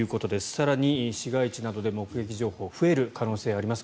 更に、市街地などで目撃情報増える可能性があります。